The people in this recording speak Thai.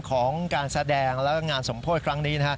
ของการแสดงและงานสมโพธิครั้งนี้